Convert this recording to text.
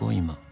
今。